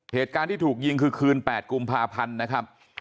เหตุการณ์ที่ถูกยิงคือคืน๘กุมภาพันธ์นะครับ